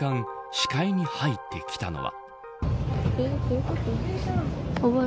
視界に入ってきたのは。